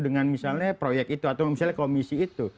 dengan misalnya proyek itu atau misalnya komisi itu